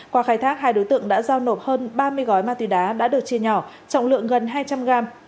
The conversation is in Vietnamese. qua khai thác hai đối tượng đã giao nộp hơn ba mươi gói ma túy đá đã được chia nhỏ trọng lượng gần hai trăm linh gram